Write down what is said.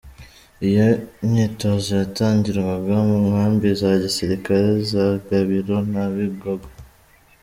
Iyo myitozo yatangirwaga mu nkambi za gisirikare za Gabiro na Bigogwe.